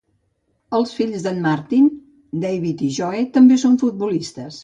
Els fills d'en Martin, David i Joe, també són futbolistes.